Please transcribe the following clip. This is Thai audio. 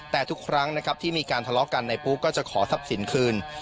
แต่ทุกครั้งนะครับที่มีการทะเลาะกันในปุ๊ก็จะขอทรัพย์สินคืน